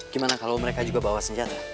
gimana kalau mereka juga bawa senjata